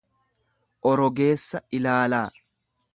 orogeessa ilaalaa.